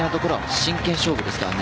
真剣勝負ですね。